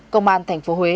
công an thành phố huế